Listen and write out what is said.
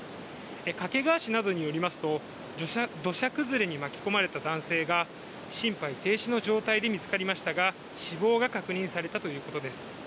掛川市などによりますと土砂崩れに巻き込まれた男性が心肺停止の状態で見つかりましたが、死亡が確認されたということです。